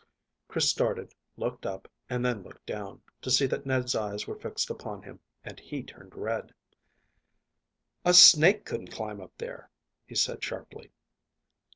Chris started, looked up, and then looked down, to see that Ned's eyes were fixed upon him, and he turned red. "A snake couldn't climb up there!" he said sharply.